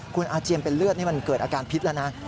คุณอาเจียนเป็นเลือดนี่มันเกิดอาการพิษแล้วนะ